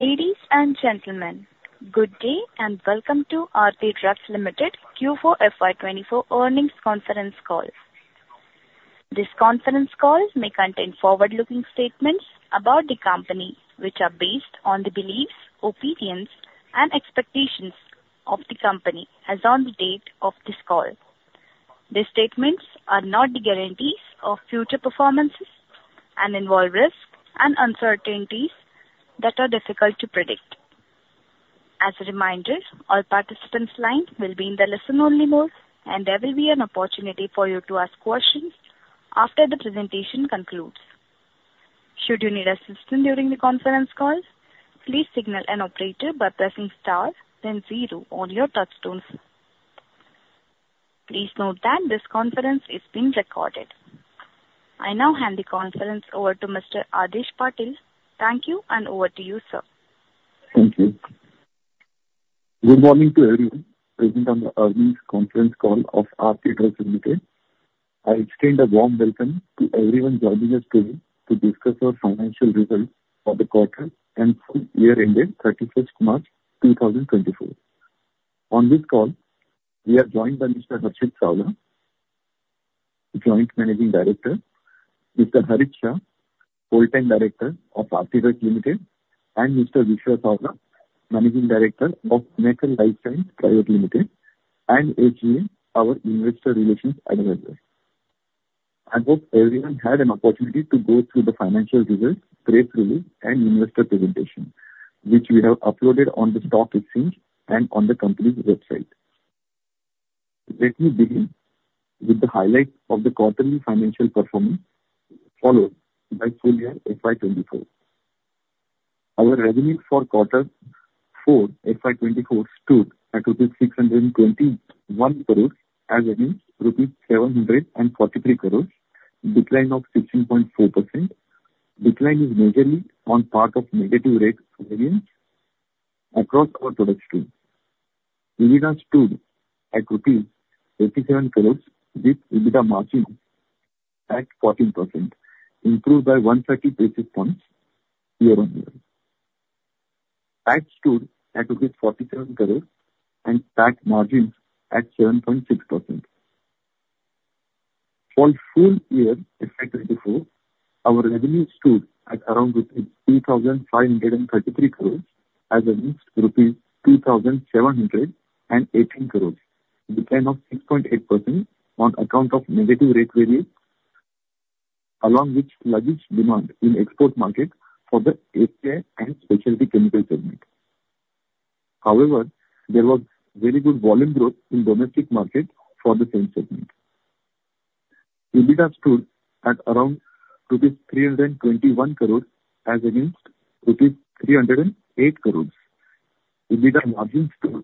Ladies and gentlemen, good day and welcome to Aarti Drugs Limited Q4 FY 2024 earnings conference call. This conference call may contain forward-looking statements about the company, which are based on the beliefs, opinions, and expectations of the company as on the date of this call. These statements are not the guarantees of future performance and involve risk and uncertainties that are difficult to predict. As a reminder, all participants' lines will be in the listen-only mode, and there will be an opportunity for you to ask questions after the presentation concludes. Should you need assistance during the conference call, please signal an operator by pressing star, then 0 on your touchtone. Please note that this conference is being recorded. I now hand the conference over to Mr. Adhish Patil. Thank you, and over to you, sir. Thank you. Good morning to everyone present on the earnings conference call of Aarti Drugs Limited. I extend a warm welcome to everyone joining us today to discuss our financial results for the quarter and full year ended 31st March 2024. On this call, we are joined by Mr. Harshit Savla, Joint Managing Director; Mr. Harish Shah, Whole-Time Director of Aarti Drugs Limited; and Mr. Vishwa Savla, Managing Director of Mahek Lifesciences Private Limited and SGA, our Investor Relations Advisor. I hope everyone had an opportunity to go through the financial results briefly and investor presentation, which we have uploaded on the stock exchange and on the company's website. Let me begin with the highlight of the quarterly financial performance, followed by full year FY 2024. Our revenue for quarter four FY 2024 stood at rupees 621 crores as against rupees 743 crores, decline of 16.4%. Decline is majorly on part of negative rate variance across our product stream. EBITDA stood at rupees 87 crores with EBITDA margin at 14%, improved by 130 basis points year-on-year. PAT stood at INR 47 crores and PAT margin at 7.6%. For full year FY 2024, our revenue stood at around rupees 2,533 crores as against rupees 2,718 crores, decline of 6.8% on account of negative rate variance, along with sluggish demand in export markets for the API and specialty chemical segment. However, there was very good volume growth in domestic markets for the same segment. EBITDA stood at around rupees 321 crores as against rupees 308 crores. EBITDA margin stood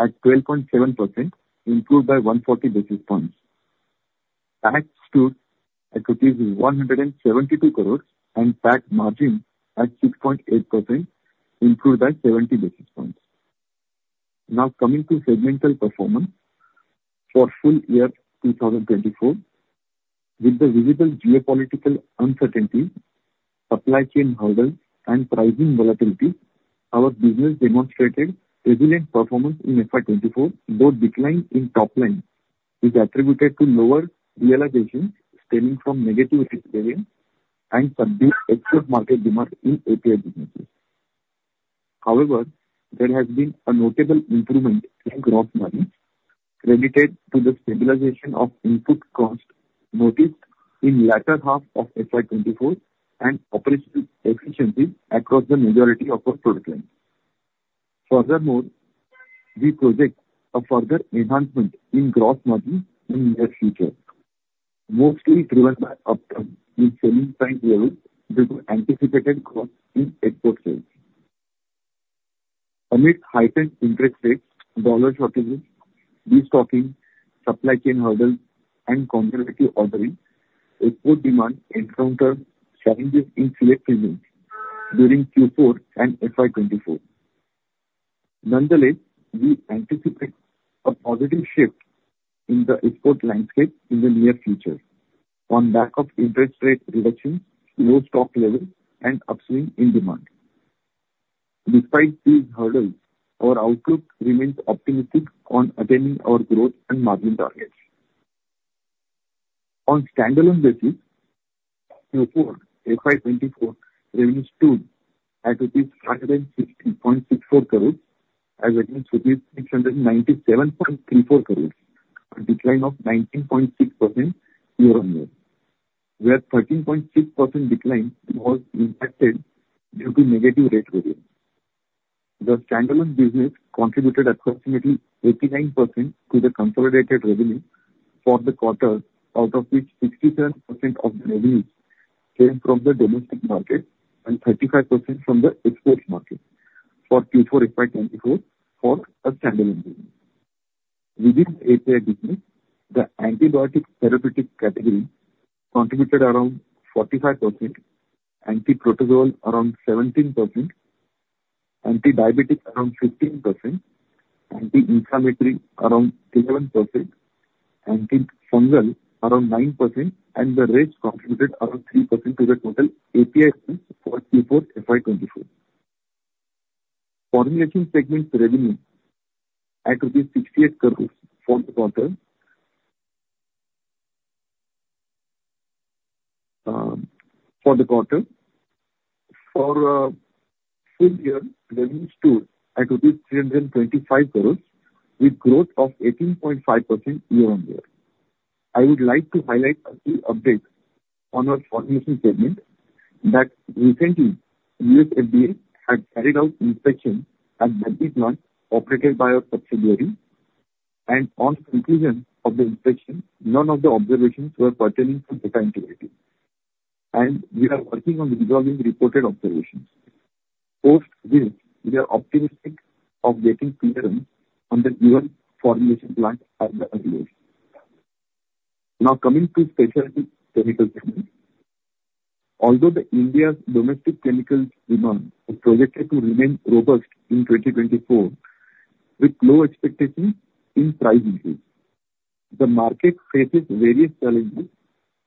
at 12.7%, improved by 140 basis points. PAT stood at INR 172 crores and PAT margin at 6.8%, improved by 70 basis points. Now coming to segmental performance. For full year 2024, with the visible geopolitical uncertainty, supply chain hurdles, and pricing volatility, our business demonstrated resilient performance in FY 2024, though decline in top line is attributed to lower realizations stemming from negative rate variance and subdued export market demand in API businesses. However, there has been a notable improvement in gross margin, credited to the stabilization of input costs noticed in the latter half of FY 2024 and operational efficiencies across the majority of our product lines. Furthermore, we project a further enhancement in gross margin in the near future, mostly driven by upturn in selling price levels due to anticipated growth in export sales. Amidst heightened interest rates, dollar shortages, restocking, supply chain hurdles, and conservative ordering, export demand encountered challenges in select segments during Q4 and FY 2024. Nonetheless, we anticipate a positive shift in the export landscape in the near future on back of interest rate reductions, low stock levels, and upswing in demand. Despite these hurdles, our outlook remains optimistic on attaining our growth and margin targets. On a standalone basis, Q4 FY 2024 revenue stood at rupees 160.64 crores as against rupees 697.34 crores, a decline of 19.6% year-on-year, where 13.6% decline was impacted due to negative rate variance. The standalone business contributed approximately 89% to the consolidated revenue for the quarter, out of which 67% of the revenues came from the domestic market and 35% from the export market for Q4 FY 2024 for a standalone business. Within the API business, the antibiotic therapeutics category contributed around 45%, anti-protozoal around 17%, anti-diabetic around 15%, anti-inflammatory around 11%, anti-fungal around 9%, and the rates contributed around 3% to the total APIs for Q4 FY 24. Formulations segment revenue at INR 68 crores for the quarter. For the quarter, for full year, revenue stood at INR 325 crores, with growth of 18.5% year-over-year. I would like to highlight a key update on our formulations segment that recently US FDA had carried out inspection at Baddi plant operated by our subsidiary, and on conclusion of the inspection, none of the observations were pertaining to data integrity, and we are working on resolving reported observations. Post this, we are optimistic of getting clearance on the US formulations plant as of earlier. Now coming to specialty chemicals segment. Although India's domestic chemicals demand is projected to remain robust in 2024, with low expectations in price increase, the market faces various challenges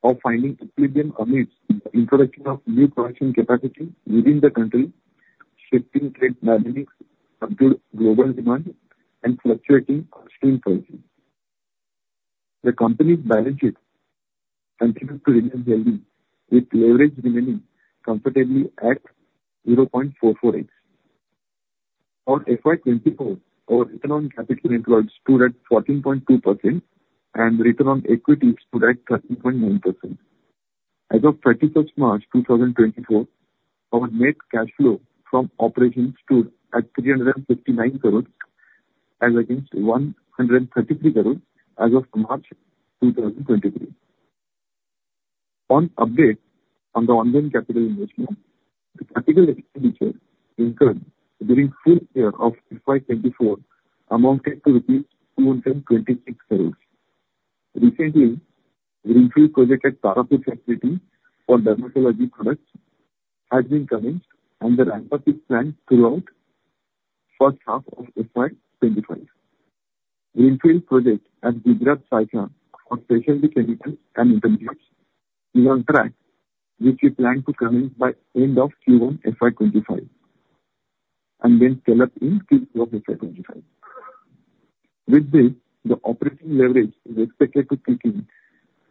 of finding equilibrium amidst the introduction of new production capacity within the country, shifting trade dynamics due to global demand, and fluctuating upstream prices. The company's balance sheet continues to remain healthy, with leverage remaining comfortably at 0.44x. For FY 2024, our return on capital employed stood at 14.2%, and return on equity stood at 13.9%. As of 31st March 2024, our net cash flow from operations stood at 359 crores as against 133 crores as of March 2023. An update on the ongoing capital investment, the capital expenditure incurred during full year of FY 2024 amounted to INR 226 crores. Recently, greenfield project at Tarapur Facility for dermatology products had been commenced, and there are plans throughout the first half of FY 2025. Greenfield project at Saykha for specialty chemicals and intermediates is on track, which we plan to commence by the end of Q1 FY 2025 and then scale up in Q2 of FY 2025. With this, the operating leverage is expected to kick in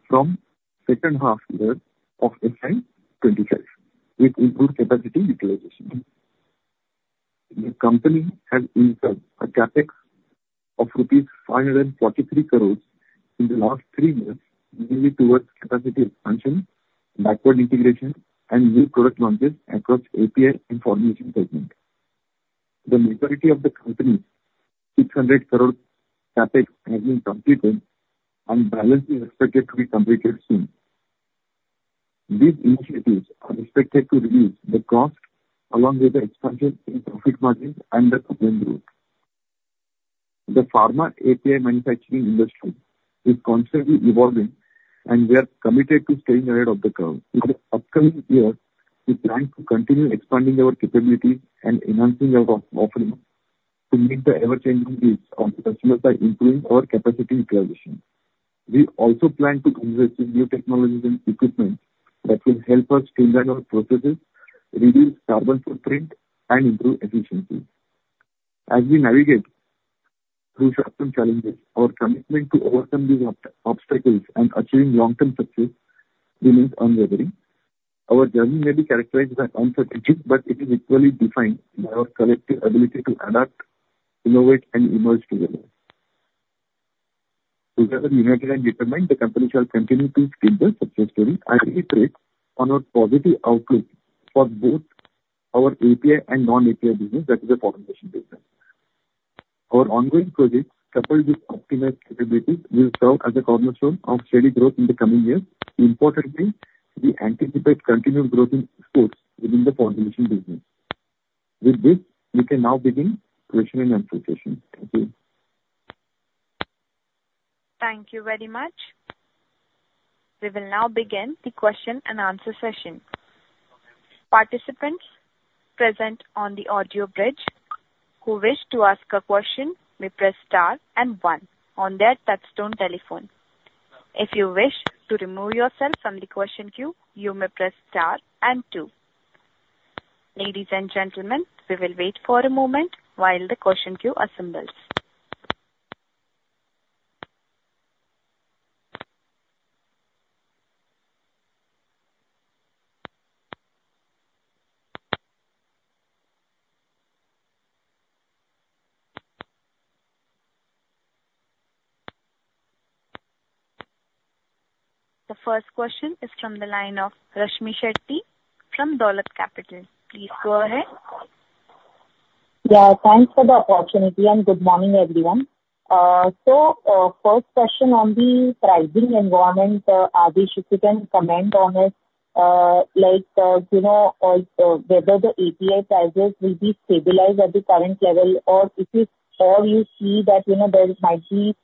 from the second half year of FY 2025, with improved capacity utilization. The company has incurred a CapEx of rupees 543 crore in the last three months, mainly towards capacity expansion, backward integration, and new product launches across API and formulation segments. The majority of the company's 600 crore CapEx has been completed, and balance is expected to be completed soon. These initiatives are expected to reduce the cost along with the expansion in profit margins and the upward growth. The pharma API manufacturing industry is constantly evolving, and we are committed to staying ahead of the curve. In the upcoming years, we plan to continue expanding our capabilities and enhancing our offering to meet the ever-changing needs of customers by improving our capacity utilization. We also plan to invest in new technologies and equipment that will help us streamline our processes, reduce carbon footprint, and improve efficiency. As we navigate through short-term challenges, our commitment to overcome these obstacles and achieving long-term success remains unwavering. Our journey may be characterized by uncertainty, but it is equally defined by our collective ability to adapt, innovate, and emerge together. Together united and determined, the company shall continue to steer the success story. I highly praise our positive outlook for both our API and non-API business, that is, the formulation business. Our ongoing projects, coupled with optimized capabilities, will serve as a cornerstone of steady growth in the coming years. Importantly, we anticipate continued growth in exports within the formulation business. With this, we can now begin question and answer session. Thank you. Thank you very much. We will now begin the question and answer session. Participants present on the audio bridge, who wish to ask a question, may press star and one on their touchstone telephone. If you wish to remove yourself from the question queue, you may press star and 2. Ladies and gentlemen, we will wait for a moment while the question queue assembles. The first question is from the line of Rashmi Shetty from Dolat Capital. Please go ahead. Yeah, thanks for the opportunity, and good morning, everyone. So, first question on the pricing environment, Adhish, if you can comment on this, whether the API prices will be stabilized at the current level or if you see that there might be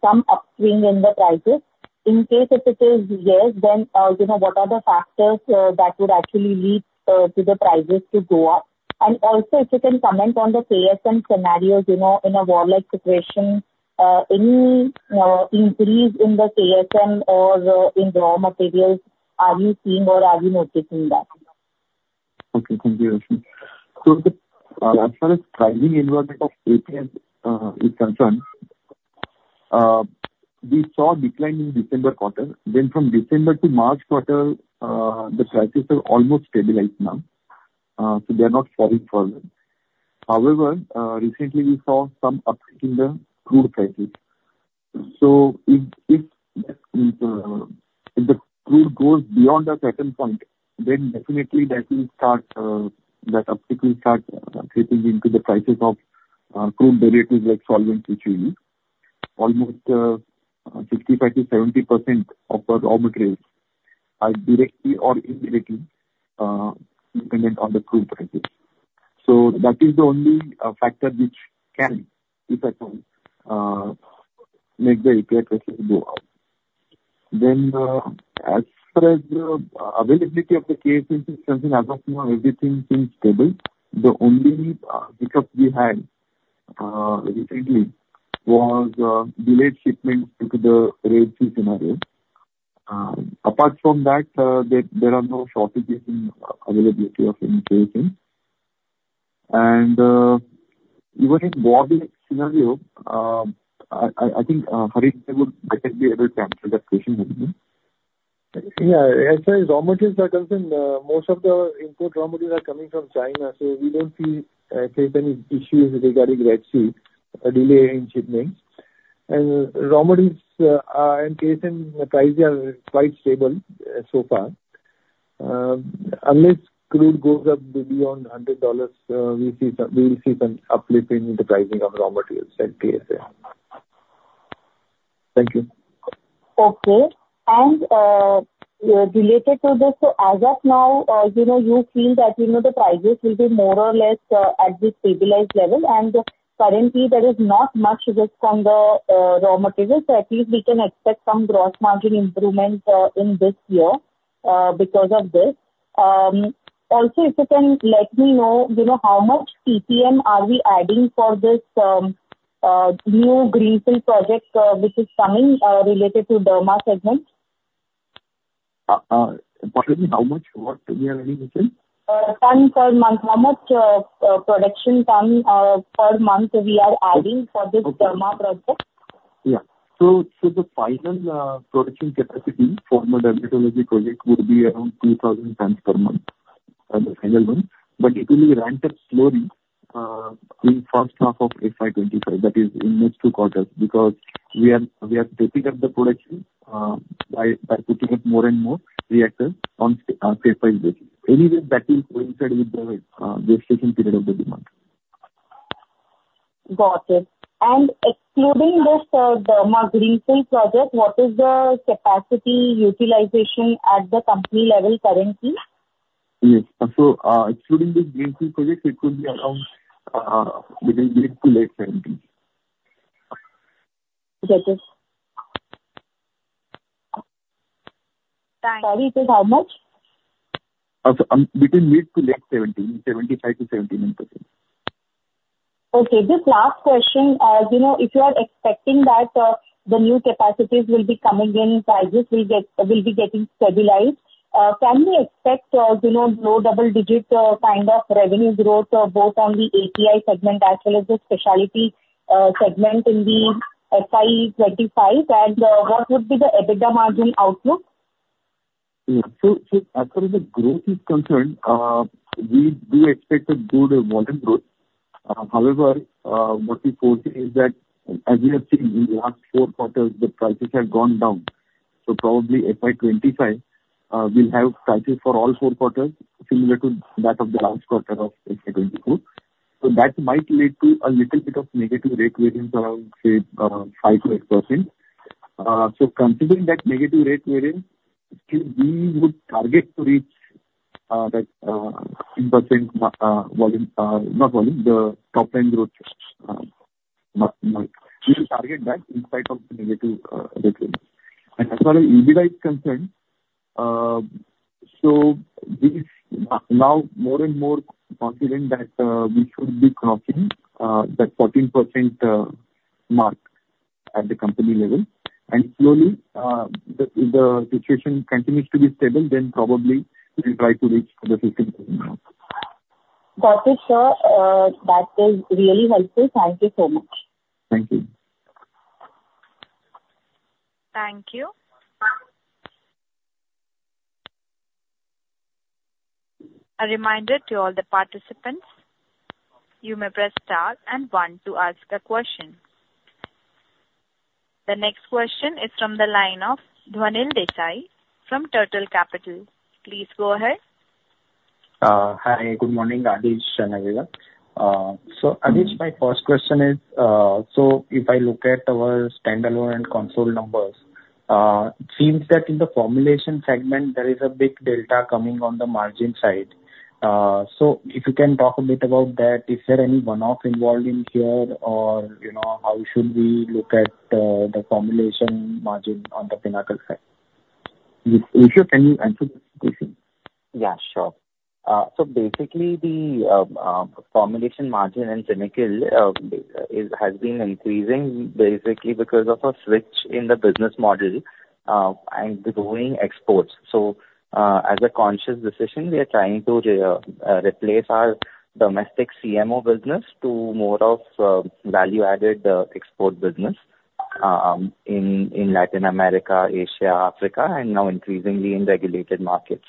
some upswing in the prices. In case it is yes, then what are the factors that would actually lead to the prices to go up? And also, if you can comment on the KSM scenario in a war-like situation, any increase in the KSM or in raw materials, are you seeing or are you noticing that? Okay, thank you, Rashmi. So, as far as the pricing environment of API is concerned, we saw a decline in December quarter. Then, from December to March quarter, the prices have almost stabilized now, so they are not falling further. However, recently, we saw some upswing in the crude prices. So, if the crude goes beyond a certain point, then definitely that upswing will start creeping into the prices of crude derivatives like solvents, which we use. Almost 65%-70% of our raw materials are directly or indirectly dependent on the crude prices. So, that is the only factor which can, if at all, make the API prices go up. Then, as far as the availability of the KSMs, as of now, everything seems stable. The only hiccup we had recently was delayed shipments due to the Red Sea scenario. Apart from that, there are no shortages in availability of any KSM. Even in a war-like scenario, I think Harish, I think you were able to answer that question earlier. Yeah. As far as raw materials are concerned, most of the import raw materials are coming from China, so we don't see any issues regarding Red Sea, delay in shipments. And raw materials and KSM prices are quite stable so far. Unless crude goes up beyond $100, we will see some uplift in the pricing of raw materials at KSM. Thank you. Okay. And related to this, so as of now, you feel that the prices will be more or less at this stabilized level, and currently, there is not much just from the raw materials, so at least we can expect some gross margin improvement in this year because of this. Also, if you can let me know, how much TPM are we adding for this new greenfield project, which is coming related to derma segment? Pardon me, how much? What we are adding, you said? Tons per month. How much production tons per month we are adding for this dermatology project? Yeah. So, the final production capacity for the dermatology project would be around 2,000 tons per month, the final one. But it will be ramped up slowly in the first half of FY 2025, that is, in the next two quarters, because we are ramping up the production by putting up more and more reactors on a stepwise basis. Anyway, that will coincide with the gestation period of the demand. Got it. Excluding this derma greenfield project, what is the capacity utilization at the company level currently? Yes. So, excluding this greenfield project, it will be around between mid- to late 70s. Got it. Thanks. Sorry, it is how much? Between mid to late 1970s, 75%-79%. Okay. Just last question. If you are expecting that the new capacities will be coming in, prices will be getting stabilized, can we expect low double-digit kind of revenue growth both on the API segment as well as the specialty segment in the FY 2025, and what would be the EBITDA margin outlook? Yeah. So, as far as the growth is concerned, we do expect a good volume growth. However, what we're forecasting is that, as we have seen in the last four quarters, the prices have gone down. So, probably FY 2025, we'll have prices for all four quarters similar to that of the last quarter of FY 2024. So, that might lead to a little bit of negative rate variance around, say, 5%-8%. So, considering that negative rate variance, still, we would target to reach that 10% volume not volume, the top-line growth. We will target that in spite of the negative rate variance. And as far as EBITDA is concerned, so we are now more and more confident that we should be crossing that 14% mark at the company level. And slowly, if the situation continues to be stable, then probably we'll try to reach the 15% mark. Got it, Sir. That is really helpful. Thank you so much. Thank you. Thank you. A reminder to all the participants, you may press star and one to ask a question. The next question is from the line of Dhwanil Desai from Turtle Capital. Please go ahead. Hi. Good morning, Adhish and everyone. Adhish, my first question is, so if I look at our standalone and consolidated numbers, it seems that in the formulation segment, there is a big delta coming on the margin side. So, if you can talk a bit about that, is there any one-off involved in here, or how should we look at the formulation margin on the Pinnacle side? Vishwa, can you answer this question? Yeah, sure. So, basically, the formulation margin in Pinnacle has been increasing, basically, because of a switch in the business model and growing exports. So, as a conscious decision, we are trying to replace our domestic CMO business to more of a value-added export business in Latin America, Asia, Africa, and now increasingly in regulated markets.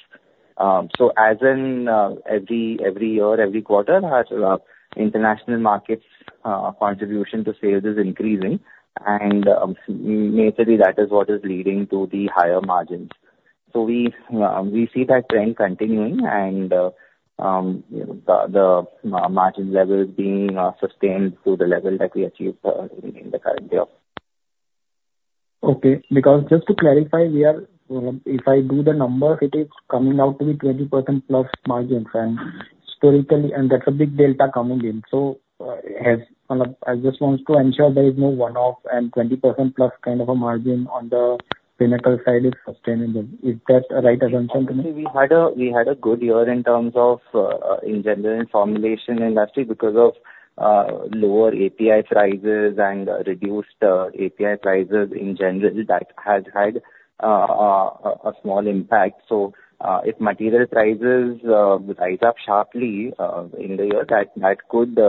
So, as in every year, every quarter, our international markets' contribution to sales is increasing, and majorly, that is what is leading to the higher margins. So, we see that trend continuing, and the margin level is being sustained to the level that we achieved in the current day of. Okay. Because just to clarify, if I do the numbers, it is coming out to be 20%+ margins, and that's a big delta coming in. So, I just want to ensure there is no one-off and 20%+ kind of a margin on the Pinnacle side is sustainable. Is that a right assumption to me? Actually, we had a good year in terms of, in general, in formulation industry because of lower API prices and reduced API prices in general that has had a small impact. So, if material prices rise up sharply in the year, that could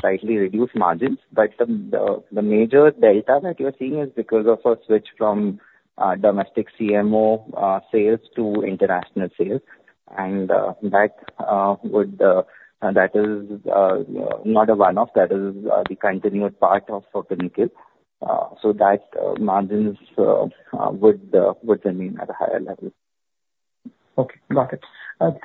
slightly reduce margins. But the major delta that you're seeing is because of a switch from domestic CMO sales to international sales, and that is not a one-off. That is the continued part of Pinnacle. So, that margins would remain at a higher level. Okay, got it.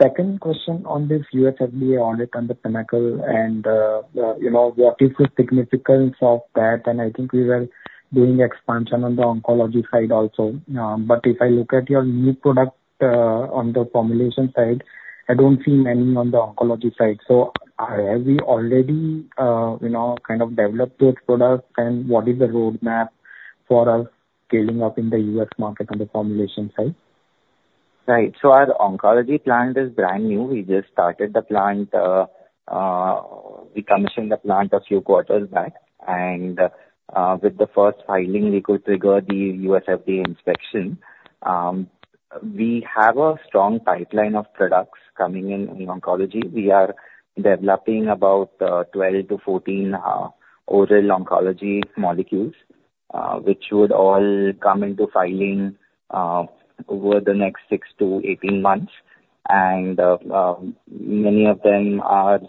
Second question on this USFDA audit under Pinnacle, and what is the significance of that? And I think we were doing expansion on the oncology side also. But if I look at your new product on the formulation side, I don't see many on the oncology side. So, have we already kind of developed those products, and what is the roadmap for us scaling up in the US market on the formulation side? Right. So, our oncology plant is brand new. We just started the plant. We commissioned the plant a few quarters back, and with the first filing, we could trigger the USFDA inspection. We have a strong pipeline of products coming in oncology. We are developing about 12-14 oral oncology molecules, which would all come into filing over the next 6-18 months. And many of them are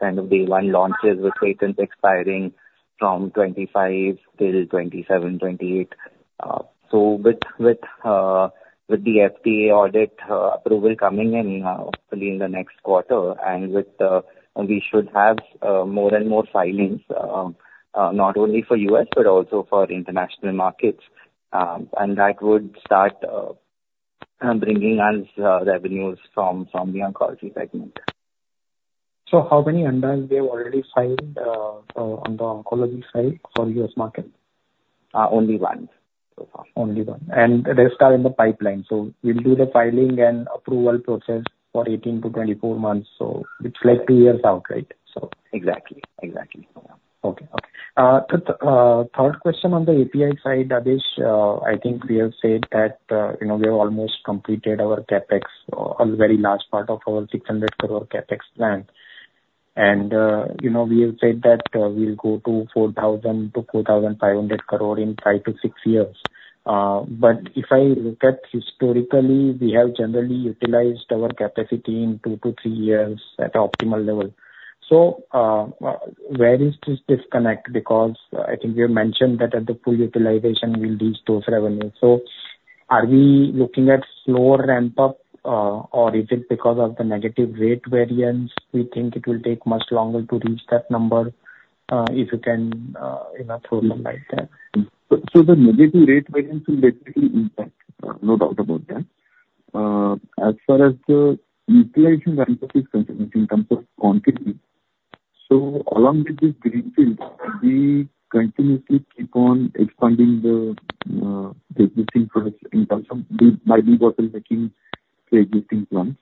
kind of day-one launches, with patents expiring from 2025 till 2027, 2028. So, with the FDA audit approval coming, hopefully, in the next quarter, we should have more and more filings, not only for US but also for international markets. And that would start bringing us revenues from the oncology segment. So, how many ANDAs we have already filed on the oncology side for U.S. market? Only one so far. Only one. They start in the pipeline. We'll do the filing and approval process for 18 to 24 months. It's like 2 years out, right? Exactly. Okay. Okay. Third question on the API side, Adhish, I think we have said that we have almost completed our CapEx, a very large part of our 600 crore CapEx plan. And we have said that we'll go to 4,000 crore-4,500 crore in five to six years. But if I look at historically, we have generally utilized our capacity in 2-3 years at an optimal level. So, where is this disconnect? Because I think we have mentioned that at the full utilization, we'll reach those revenues. So, are we looking at slower ramp-up, or is it because of the negative rate variance we think it will take much longer to reach that number, if you can throw some light there? So, the negative rate variance will definitely impact, no doubt about that. As far as the utilization ramp-up is concerned, in terms of quantity, so along with this greenfield, we continuously keep on expanding the existing products in terms of by debottlenecking to existing plants.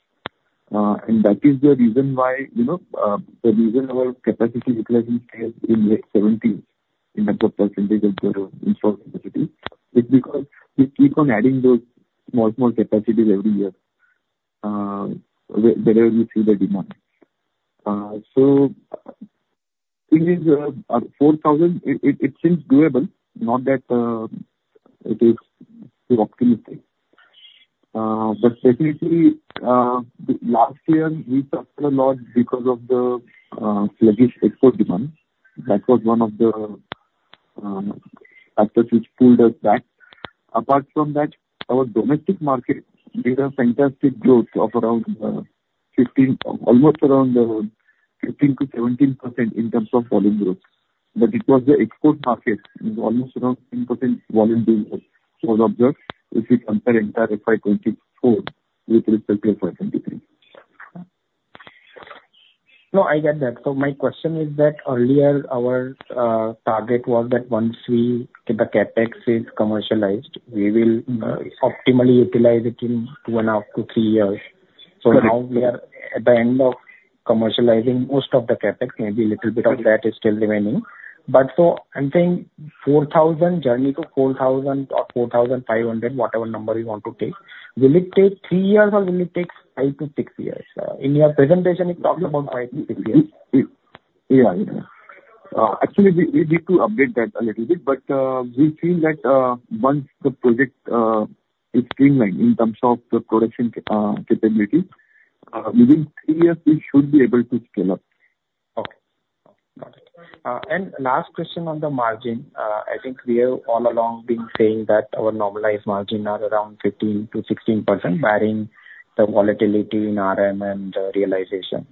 And that is the reason why the reason our capacity utilization stays in the 70s in terms of percentage of the installed capacity is because we keep on adding those small, small capacities every year wherever we see the demand. So, the thing is, 4,000, it seems doable, not that it is too optimistic. But definitely, last year, we suffered a lot because of the sluggish export demand. That was one of the factors which pulled us back. Apart from that, our domestic market did a fantastic growth of around 15, almost around 15%-17% in terms of volume growth. But it was the export market. It was almost around 10% volume growth was observed if we compare entire FY 2024 with respect to FY 2023. No, I get that. So, my question is that earlier, our target was that once the CapEx is commercialized, we will optimally utilize it in 2.5 to three years. So, now we are at the end of commercializing most of the CapEx. Maybe a little bit of that is still remaining. But so, I'm saying journey to 4,000 or 4,500, whatever number you want to take, will it take 3 years, or will it take 5-6 years? In your presentation, you talked about five to six years. Yeah. Actually, we need to update that a little bit, but we feel that once the project is streamlined in terms of the production capability, within three years, we should be able to scale up. Okay. Got it. And last question on the margin, I think we have all along been saying that our normalized margin is around 15%-16%, bearing the volatility in RM and realization.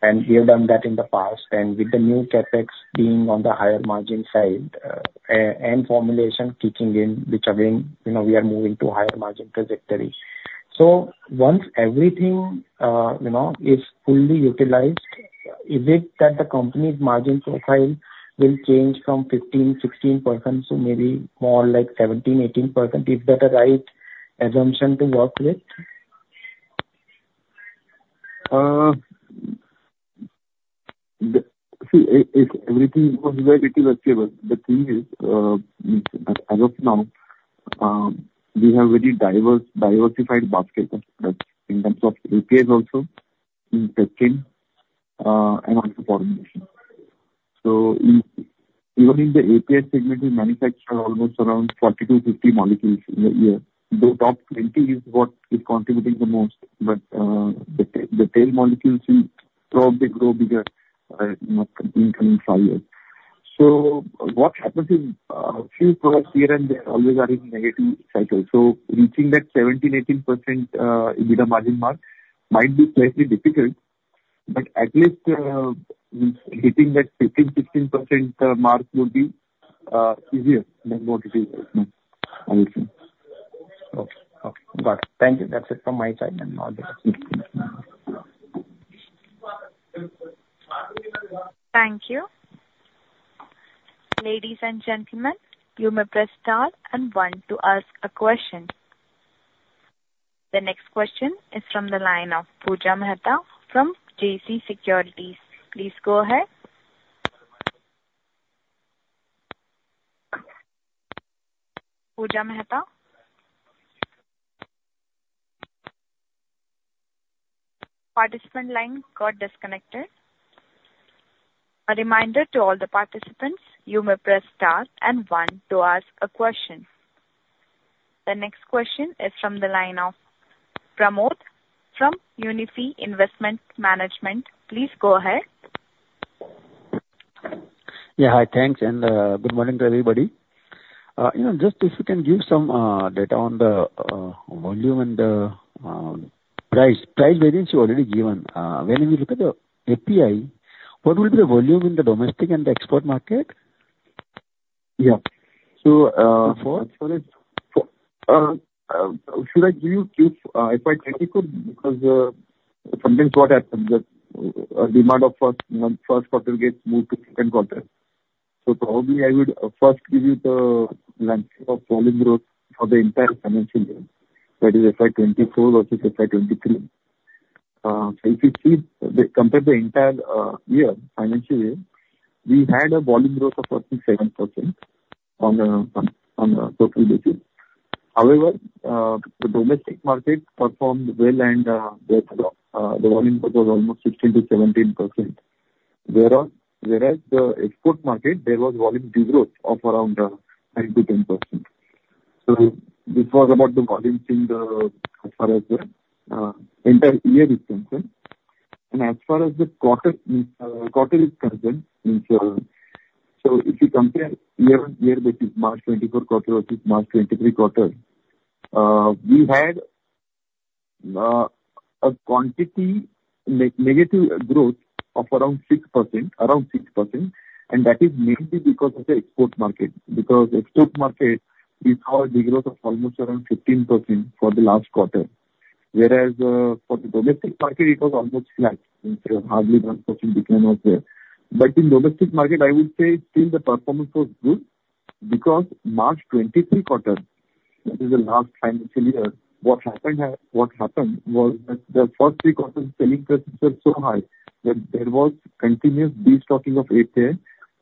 And we have done that in the past. And with the new Capex being on the higher margin side and formulation kicking in, which again, we are moving to higher margin trajectory. So, once everything is fully utilized, is it that the company's margin profile will change from 15%-16% to maybe more like 17%-18%? Is that a right assumption to work with? See, if everything goes well, it will achieve. The thing is, as of now, we have a very diversified basket in terms of APIs also, testing, and also formulation. So, even in the API segment, we manufacture almost around 40-50 molecules in a year. The top 20 is what is contributing the most, but the tail molecules will probably grow bigger in the coming 5 years. So, what happens is a few products here and there always are in negative cycles. So, reaching that 17%-18% EBITDA margin mark might be slightly difficult, but at least hitting that 15%-16% mark would be easier than what it is right now, I would say. Okay. Got it. Thank you. That's it from my side. Now, I'll give it to you. Thank you. Ladies and gentlemen, you may press star and one to ask a question. The next question is from the line of Pooja Mehta from JC Securities. Please go ahead. Pooja Mehta? Participant line got disconnected. A reminder to all the participants, you may press star and one to ask a question. The next question is from the line of Pramod from Unifi Investment Management. Please go ahead. Yeah. Hi. Thanks. Good morning to everybody. Just if you can give some data on the volume and the price. Price variance is already given. When we look at the API, what will be the volume in the domestic and the export market? Yeah. So. Before? Should I give you a few FY2020 quotes? Because sometimes what happens is demand of first quarter gets moved to second quarter. So, probably, I would first give you the landscape of volume growth for the entire financial year, that is, FY2024 versus FY2023. So, if you see, compare the entire financial year, we had a volume growth of, I think, 7% on a total basis. However, the domestic market performed well, and the volume growth was almost 16%-17%. Whereas the export market, there was volume degrowth of around 9%-10%. So, this was about the volume as far as the entire year is concerned. And as far as the quarter is concerned, means so, if you compare year-over-year basis, March 2024 quarter versus March 2023 quarter, we had a quantity negative growth of around 6%, and that is mainly because of the export market. Because export market, we saw a degrowth of almost around 15% for the last quarter. Whereas for the domestic market, it was almost flat. Hardly 1% declined out there. But in domestic market, I would say still the performance was good because March 2023 quarter, that is the last financial year, what happened was that the first three quarters, selling prices were so high that there was continuous destocking of API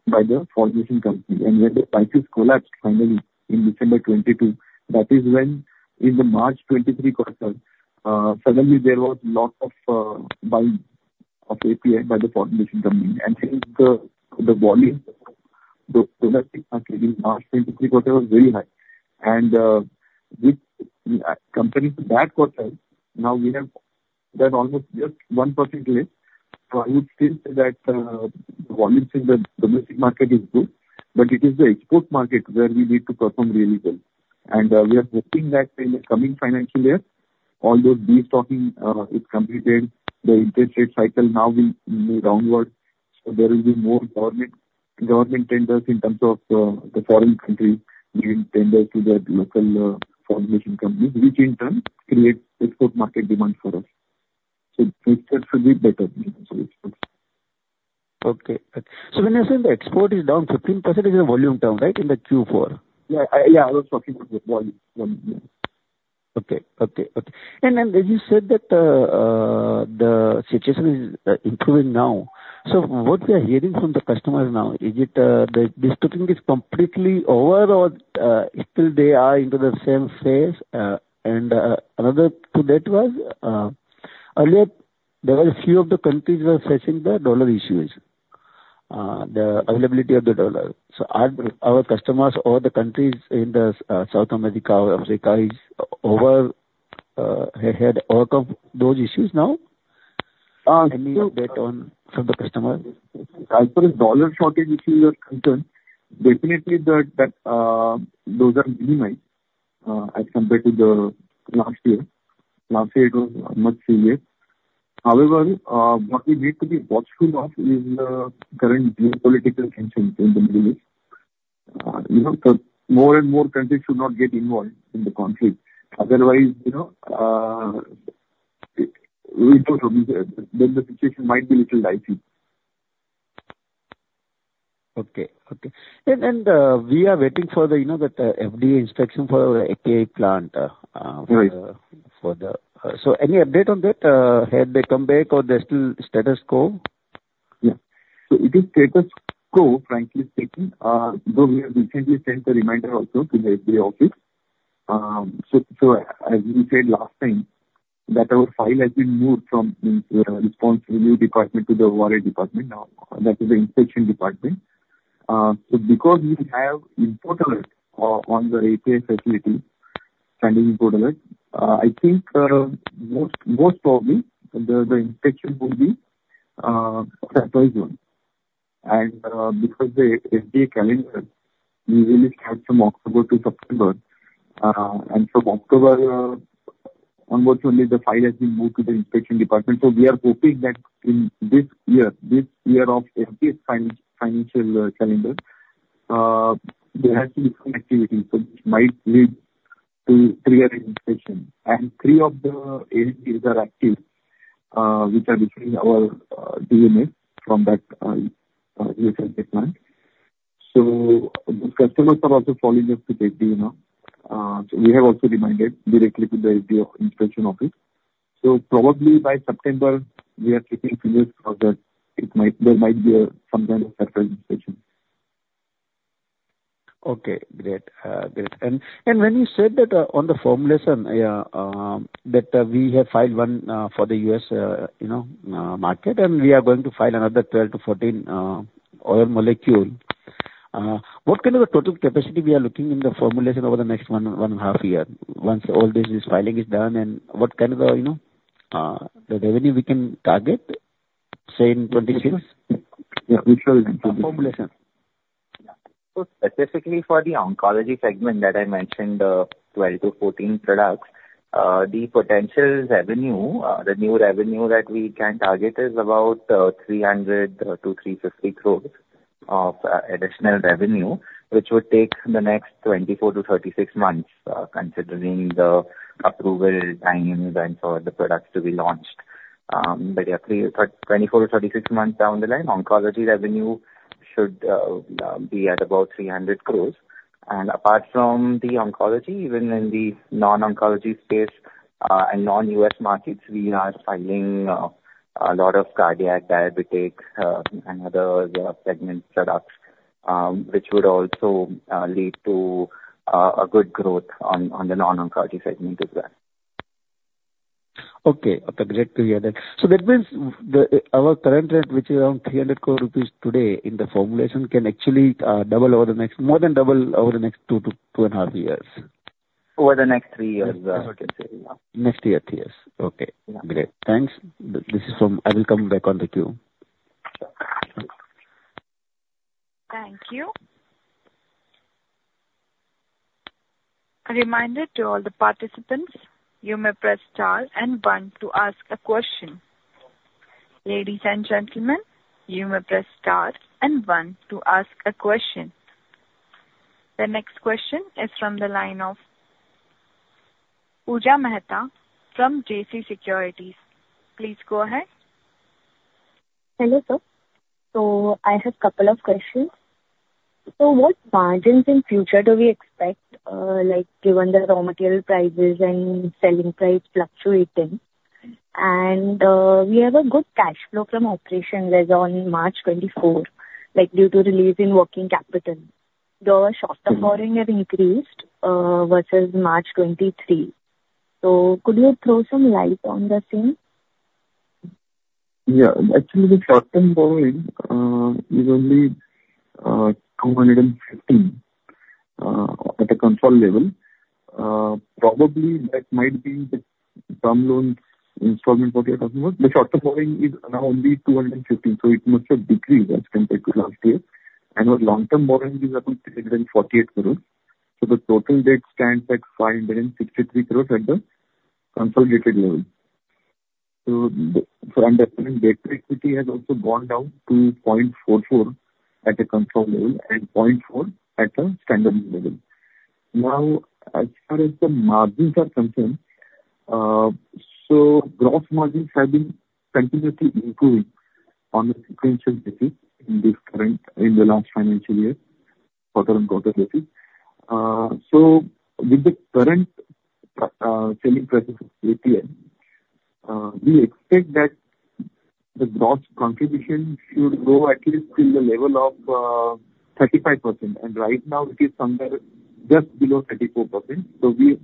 by the formulation company. And when the prices collapsed finally in December 2022, that is when, in the March 2023 quarter, suddenly, there was a lot of buying of API by the formulation company. And hence, the volume domestic market in March 2023 quarter was very high. And comparing to that quarter, now we have done almost just 1% less. So, I would still say that the volume in the domestic market is good, but it is the export market where we need to perform really well. And we are hoping that in the coming financial year, all those destocking is completed. The interest rate cycle now will move downward. So, there will be more government tenders in terms of the foreign countries giving tenders to their local formulation companies, which in turn creates export market demand for us. So, it should be better for exports. Okay. So, when I say the export is down 15%, it's a volume term, right, in the Q4? Yeah. I was talking about the volume. Yeah. Okay. And then as you said that the situation is improving now, so what we are hearing from the customers now, is it the destocking is completely over, or still they are into the same phase? And another to that was, earlier, there were a few of the countries that were facing the dollar issues, the availability of the dollar. So, are our customers or the countries in South America or Africa have overcome those issues now? Any update from the customer? As far as dollar shortage issues are concerned, definitely, those are minimized as compared to last year. Last year, it was much severe. However, what we need to be watchful of is the current geopolitical tensions in the Middle East. More and more countries should not get involved in the conflict. Otherwise, then the situation might be a little dicey. Okay. We are waiting for the FDA inspection for our API plant. So, any update on that? Have they come back, or they're still status quo? Yeah. So, it is status quo, frankly speaking. Though we have recently sent a reminder also to the FDA office. So, as we said last time, that our file has been moved from the response review department to the warning department now. That is the inspection department. So, because we have import alert on the API facility, standing import alert, I think most probably, the inspection will be surprise one. And because the FDA calendar, we really start from October to September. And from October onwards, only the file has been moved to the inspection department. So, we are hoping that in this year, this year of FDA's financial calendar, there has to be some activity. So, this might lead to triggering inspection. And three of the ANDAs are active, which are between our DMFs from that USFDA plant. So, those customers are also calling us to the FDA now. So, we have also reminded directly to the FDA inspection office. So, probably by September, we are checking further because there might be some kind of surprise inspection. Okay. Great. When you said that on the formulations, yeah, that we have filed one for the US market, and we are going to file another 12-14 more molecules, what kind of a total capacity we are looking in the formulations over the next one and a half year, once all this filing is done? And what kind of the revenue we can target, say, in 2026? Yeah. We shall. Formulation. Specifically for the oncology segment that I mentioned, 12-14 products, the potential revenue, the new revenue that we can target is about 300-350 crores of additional revenue, which would take the next 24-36 months considering the approval times and for the products to be launched. But yeah, 24-36 months down the line, oncology revenue should be at about 300 crores. And apart from the oncology, even in the non-oncology space and non-US markets, we are filing a lot of cardiac, diabetic, and other segment products, which would also lead to a good growth on the non-oncology segment as well. Okay. Okay. Great to hear that. So, that means our current rent, which is around 300 crore rupees today in the formulation, can actually double over the next more than double over the next 2-2.5 years? Over the next three years, I can say. Yeah. Next three years. Okay. Great. Thanks. This is from I will come back on the queue. Thank you. A reminder to all the participants, you may press star and 1 to ask a question. Ladies and gentlemen, you may press star and 1 to ask a question. The next question is from the line of Pooja Mehta from JC Securities. Please go ahead. Hello, sir. So, I have a couple of questions. So, what margins in future do we expect, given the raw material prices and selling price fluctuating? And we have a good cash flow from operations on March 2024 due to releasing working capital. The short-term borrowing has increased versus March 2023. So, could you throw some light on the same? Yeah. Actually, the short-term borrowing is only 215 crores at a consolidated level. Probably, that might be the term loan installment what you're talking about. The short-term borrowing is now only 215 crores. So, it must have decreased as compared to last year. Our long-term borrowing is up to 348 crores. So, the total debt stands at 563 crores at the consolidated level. So, for the debt-equity, it has also gone down to 0.44 at a consolidated level and 0.4 at a standalone level. Now, as far as the margins are concerned, gross margins have been continuously improving on a sequential basis in the last financial year, quarter on quarter basis. So, with the current selling prices of API, we expect that the gross contribution should go at least till the level of 35%. And right now, it is just below 34%. We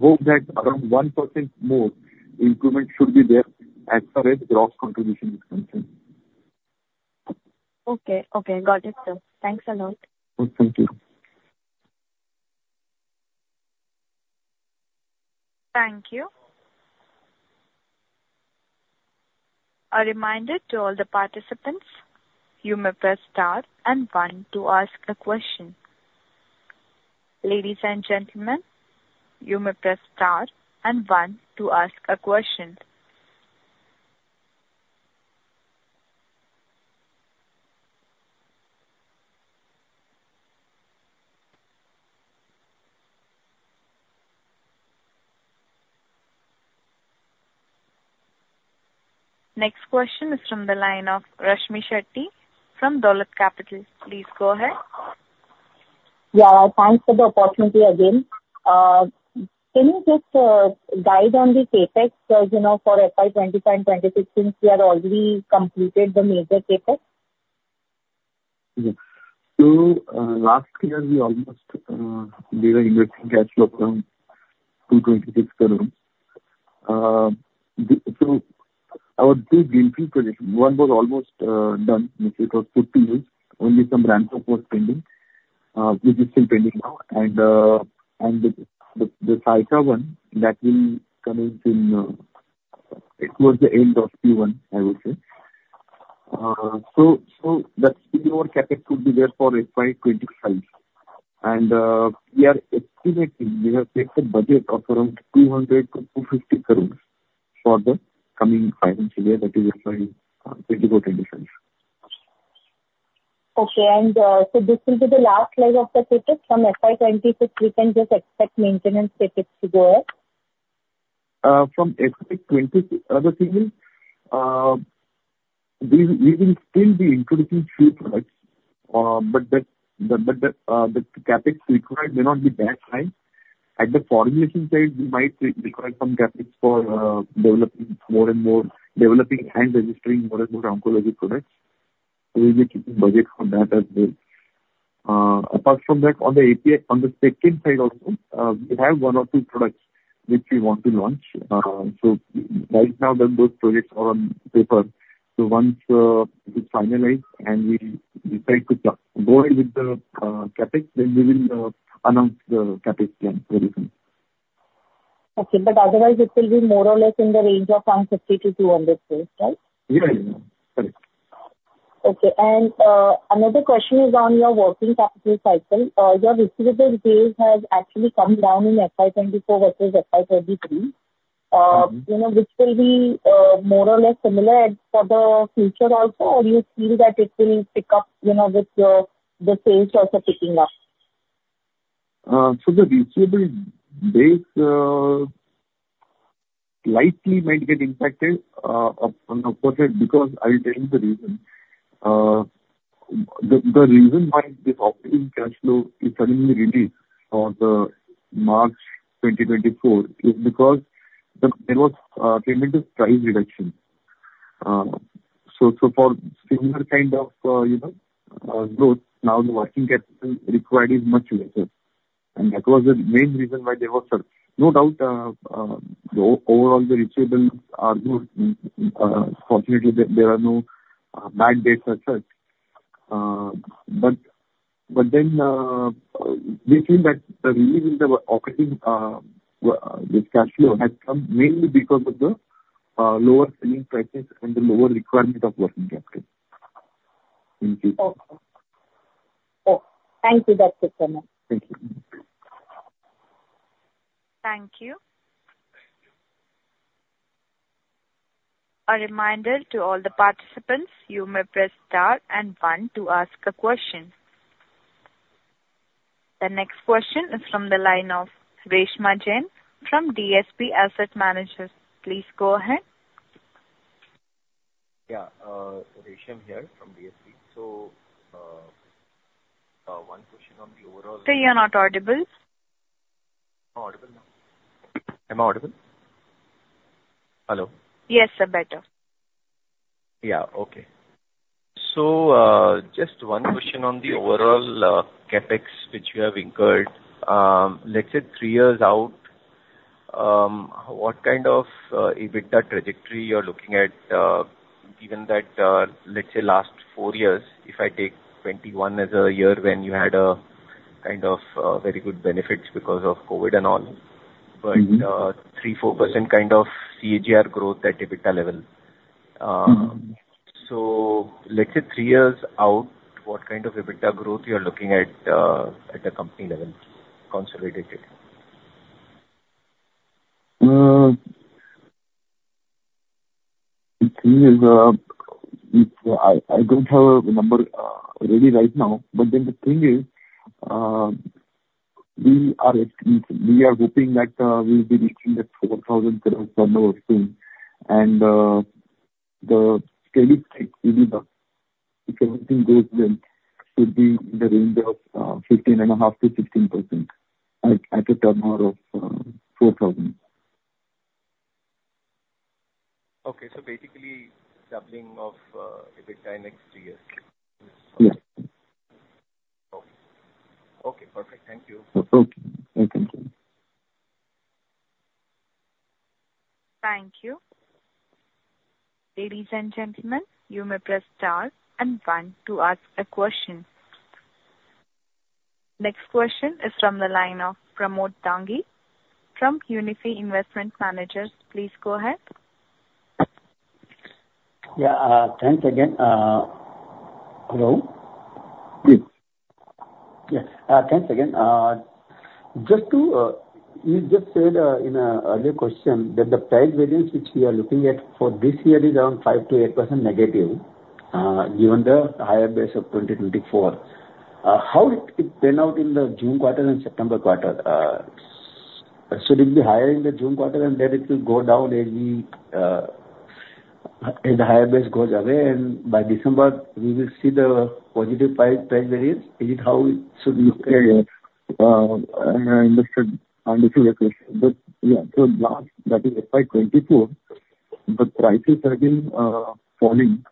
hope that around 1% more improvement should be there as far as gross contribution is concerned. Okay. Got it, sir. Thanks a lot. Thank you. Thank you. A reminder to all the participants, you may press star and one to ask a question. Ladies and gentlemen, you may press star and 1 to ask a question. Next question is from the line of Rashmi Shetty from Dolat Capital. Please go ahead. Yeah. Thanks for the opportunity again. Can you just guide on the CapEx because for FY2025 and 2026, since we have already completed the major CapEx? Yes. So, last year, we almost did an investing cash flow from INR 226 crore. So, our two greenfield projects, one was almost done, which it was put to use. Only some ramp-up was pending, which is still pending now. And the Saykha one that will come in towards the end of Q1, I would say. So, that's where our CapEx would be there for FY 2025. And we are estimating we have set a budget of around 200 crore-250 crore for the coming financial year, that is FY 2024 to 2025 Okay. And so, this will be the last leg of the CapEx from FY 2026. We can just expect maintenance CapEx to go up? From FY 2026, other thing is, we will still be introducing few products, but the CapEx required may not be that high. At the formulation side, we might require some CapEx for developing more and more developing and registering more and more oncology products. So, we'll be keeping budget for that as well. Apart from that, on the second side also, we have one or two products which we want to launch. So, right now, those projects are on paper. So, once it is finalized and we decide to go ahead with the CapEx, then we will announce the CapEx plan very soon. Okay. Otherwise, it will be more or less in the range of 150 crore-200 crore, right? Yeah. Correct. Okay. Another question is on your working capital cycle. Your receivable base has actually come down in FY 2024 versus FY23. Which will be more or less similar for the future also, or do you feel that it will pick up with the sales also picking up? So, the receivable base slightly might get impacted on the opposite because I will tell you the reason. The reason why this operating cash flow is suddenly released for March 2024 is because there was a tremendous price reduction. So, for similar kind of growth, now the working capital required is much lesser. And that was the main reason why there was no doubt, overall, the receivables are good. Fortunately, there are no bad debts as such. But then we feel that the release in the operating cash flow has come mainly because of the lower selling prices and the lower requirement of working capital. Thank you. Okay. Thank you. [inaudible] Thank you. Thank you. A reminder to all the participants, you may press star and one to ask a question. The next question is from the line of Resham Jain from DSP Asset Managers. Please go ahead. Yeah. Reshma here from DSP. So, one question on the overall. Sir, you're not audible. Audible, yeah. Am I audible? Hello? Yes, sir. Better. Yeah. Okay. So, just one question on the overall CapEx which you have incurred. Let's say three years out, what kind of EBITDA trajectory you're looking at given that, let's say, last four years, if I take 2021 as a year when you had kind of very good benefits because of COVID and all, but 3%-4% kind of CAGR growth at EBITDA level. So, let's say three years out, what kind of EBITDA growth you're looking at at the company level, consolidated? The thing is, I don't have a number already right now. But then the thing is, we are hoping that we'll be reaching the 4,000 crore turnover soon. And the steady state, if everything goes well, should be in the range of 15.5%-15% at a turnover of INR 4,000 crore. Okay. So, basically, doubling of EBITDA in next three years. Yes. Okay. Perfect. Thank you. Okay. Thank you. Thank you. Ladies and gentlemen, you may press star and one to ask a question. Next question is from the line of Pramod Dangi from Unifi Investment Management. Please go ahead. Yeah. Thanks again. Hello? Yes. Yes. Thanks again. You just said in an earlier question that the price variance which we are looking at for this year is around 5%-8% negative given the higher base of 2024. How did it pan out in the June quarter and September quarter? Should it be higher in the June quarter, and then it will go down as the higher base goes away? And by December, we will see the positive price variance. Is it how it should look? Yeah. I understand the question. But yeah, so last, that is FY 2024, the prices have been falling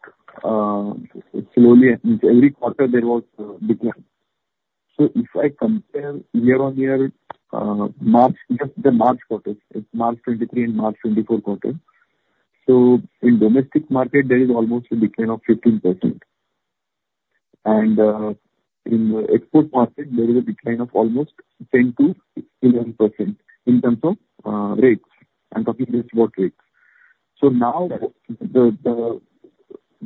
slowly. Every quarter, there was a decline. So, if I compare year-on-year, just the March quarters, March 2023 and March 2024 quarters, so in domestic market, there is almost a decline of 15%. And in the export market, there is a decline of almost 10%-11% in terms of rates. I'm talking just about rates. So now, the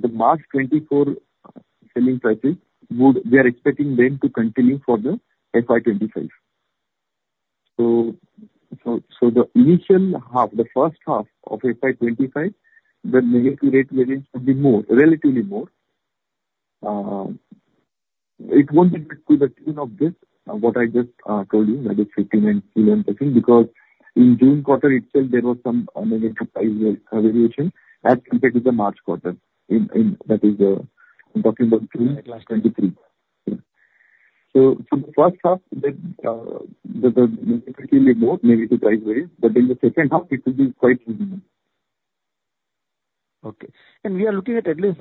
March 2024 selling prices, we are expecting them to continue for the FY 2025. So, the initial half, the first half of FY 2025, the negative rate variance would be relatively more. It won't be to the tune of this, what I just told you, that is 15% and 11% because in June quarter itself, there was some negative price variation as compared with the March quarter. That is, I'm talking about June 2023. Yeah. So, for the first half, there's a relatively more negative price variance. But then the second half, it will be quite reasonable. Okay. We are looking at least,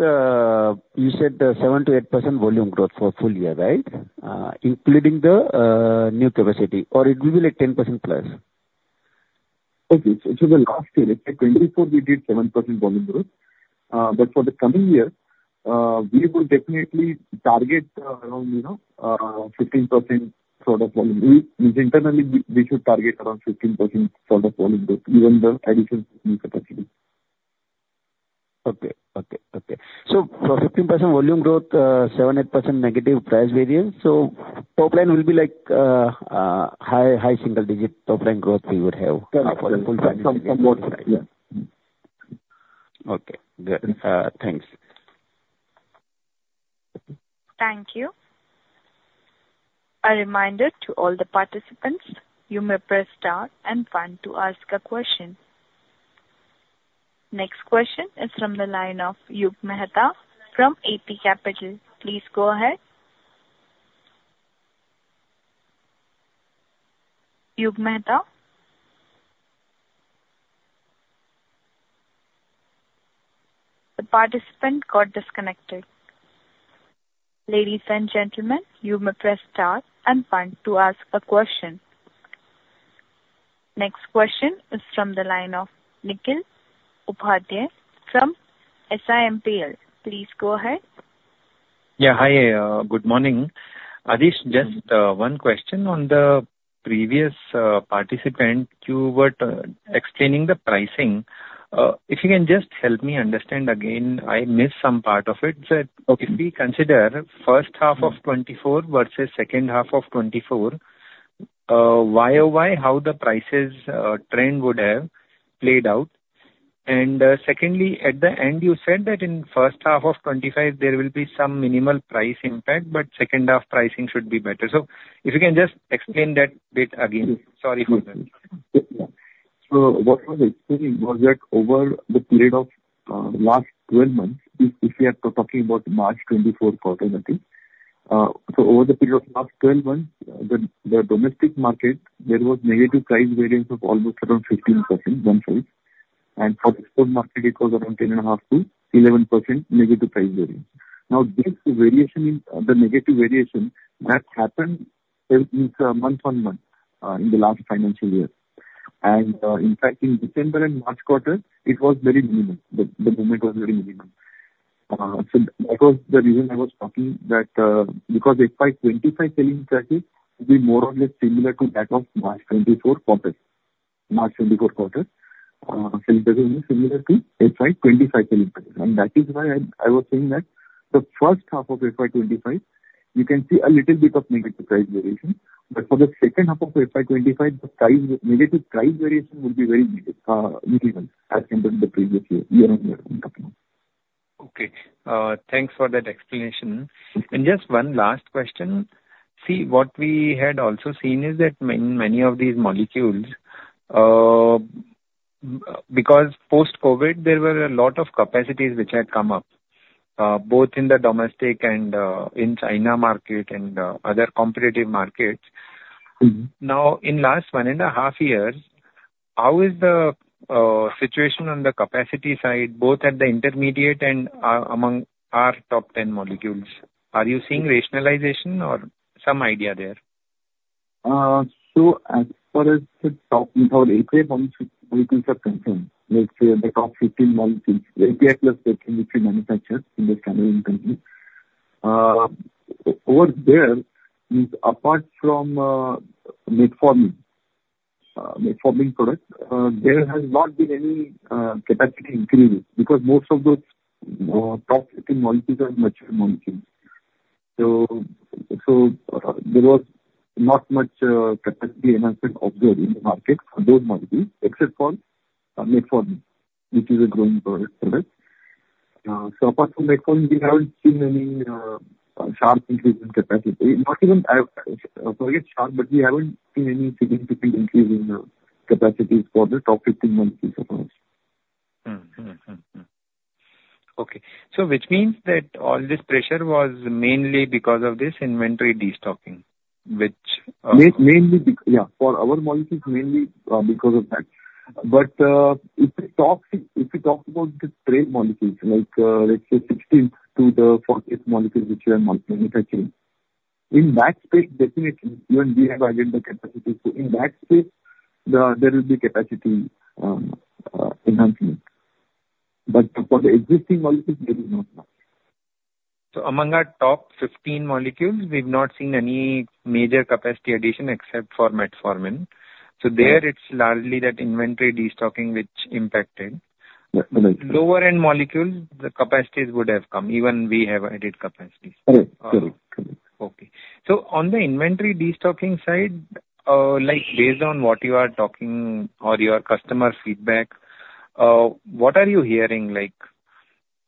you said, 7%-8% volume growth for full year, right, including the new capacity, or it will be like 10% plus? Okay. So, for the last year, FY2024, we did 7% volume growth. But for the coming year, we will definitely target around 15% sort of volume. Internally, we should target around 15% sort of volume growth even the addition of new capacity. For 15% volume growth, 7%-8% negative price variance. Top line will be like high single-digit top line growth we would have for the full financial year. Yeah. Okay. Good. Thanks. Thank you. A reminder to all the participants, you may press star and 1 to ask a question. Next question is from the line of Yug Mehta from AP Capital. Please go ahead. Yug Mehta? The participant got disconnected. Ladies and gentlemen, you may press star and 1 to ask a question. Next question is from the line of Nikhil Upadhyay from SIMPL. Please go ahead. Yeah. Hi. Good morning. Adhish, just one question on the previous participant. You were explaining the pricing. If you can just help me understand again, I missed some part of it. If we consider first half of 2024 versus second half of 2024, why or why, how the prices trend would have played out? And secondly, at the end, you said that in first half of 2025, there will be some minimal price impact, but second half pricing should be better. So, if you can just explain that bit again. Sorry for that. Yeah. So, what I was explaining was that over the period of last 12 months, if we are talking about March 2024 quarter, I think, so over the period of last 12 months, the domestic market, there was negative price variance of almost around 15% one side. And for export market, it was around 10.5%-11% negative price variance. Now, this negative variation, that happened month-on-month in the last financial year. And in fact, in December and March quarter, it was very minimal. The movement was very minimal. So, that was the reason I was talking that because FY 2025 selling prices will be more or less similar to that of March 2024 quarter. March 2024 quarter selling prices will be similar to FY 2025 selling prices. That is why I was saying that the first half of FY 2025, you can see a little bit of negative price variation. But for the second half of FY 2025, the negative price variation would be very minimal as compared to the previous year, year on year, I'm talking about. Okay. Thanks for that explanation. And just one last question. See, what we had also seen is that many of these molecules because post-COVID, there were a lot of capacities which had come up both in the domestic and in China market and other competitive markets. Now, in last one and a half years, how is the situation on the capacity side, both at the intermediate and among our top 10 molecules? Are you seeing rationalization or some idea there? So, as far as our API molecules are concerned, let's say the top 15 molecules, the APIs which we manufacture in the stand-alone country, over there, apart from Metformin, Metformin product, there has not been any capacity increase because most of those top 15 molecules are mature molecules. So, there was not much capacity enhancement observed in the market for those molecules except for Metformin, which is a growing product. So, apart from Metformin, we haven't seen any sharp increase in capacity. Not even forget sharp, but we haven't seen any significant increase in capacities for the top 15 molecules of ours. Okay. So, which means that all this pressure was mainly because of this inventory destocking, which. Mainly, yeah, for our molecules, mainly because of that. But if we talk about the tail molecules, let's say 16th to the 40th molecules which we are manufacturing, in that space, definitely, even we have added the capacity. So, in that space, there will be capacity enhancement. But for the existing molecules, there is not much. So, among our top 15 molecules, we've not seen any major capacity addition except for Metformin. So, there, it's largely that inventory destocking which impacted. Yeah. Correct. Lower-end molecules, the capacities would have come. Even we have added capacities. Correct. Okay. So, on the inventory destocking side, based on what you are talking or your customer feedback, what are you hearing? Are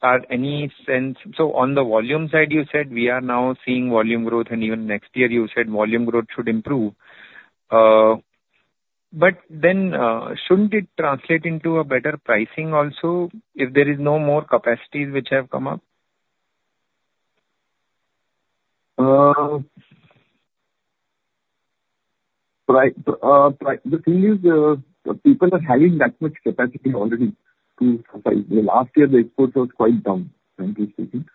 there any sense? So, on the volume side, you said we are now seeing volume growth, and even next year, you said volume growth should improve. But then, shouldn't it translate into a better pricing also if there is no more capacities which have come up? Right. The thing is, people are having that much capacity already. Last year, the exports were quite down, frankly speaking.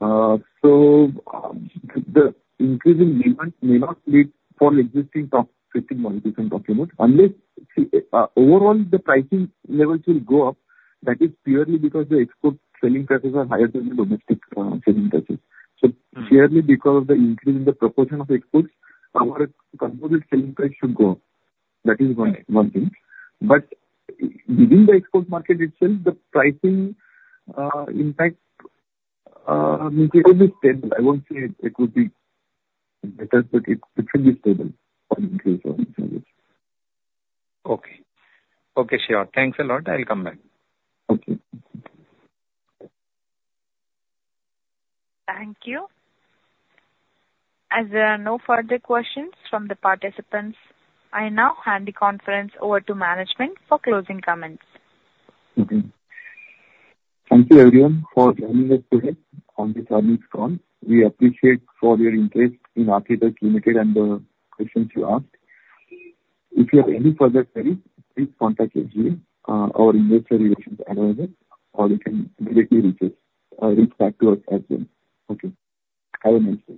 So, the increasing demand may not lead for existing top 15 molecules I'm talking about unless, see, overall, the pricing levels will go up. That is purely because the export selling prices are higher than the domestic selling prices. So, purely because of the increase in the proportion of exports, our composite selling price should go up. That is one thing. But within the export market itself, the pricing impact means it will be stable. I won't say it would be better, but it should be stable for increase or decrease. Okay. Sure. Thanks a lot. I'll come back. Okay. Thank you. As there are no further questions from the participants, I now hand the conference over to management for closing comments. Okay. Thank you, everyone, for joining us today on this earnings call. We appreciate your interest in Aarti Drugs Limited and the questions you asked. If you have any further queries, please contact SGA, our investor relations advisor, or you can directly reach back to us at them. Okay. Have a nice day.